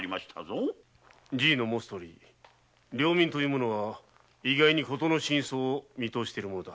じぃの言うとおり領民は意外に事の真相を見とおしているものだ。